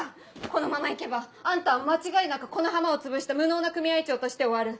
このまま行けばあんたは間違いなくこの浜を潰した無能な組合長として終わる。